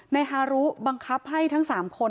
ฮารุบังคับให้ทั้ง๓คน